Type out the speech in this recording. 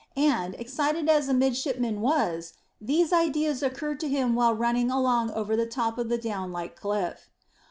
And, excited as the midshipman was, these ideas occurred to him while running along over the top of the down like cliff.